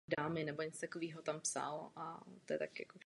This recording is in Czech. Všichni víme, že rozhodnutí o vojenském zákroku nebylo snadné.